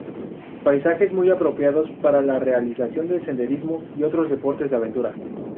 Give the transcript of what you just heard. Paisajes muy apropiados para la realización de senderismo y otros deportes de aventura.